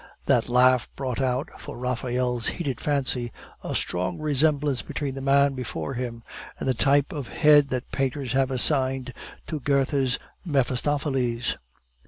That laugh brought out, for Raphael's heated fancy, a strong resemblance between the man before him and the type of head that painters have assigned to Goethe's Mephistopheles.